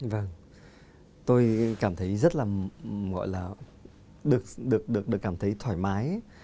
vâng tôi cảm thấy rất là gọi là được cảm thấy thoải mái